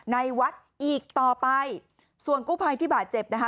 ในวัดอีกต่อไปส่วนกู้ภัยที่บาดเจ็บนะคะ